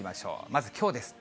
まず、きょうです。